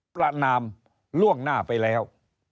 ประนามล่วงหน้าไปแล้ว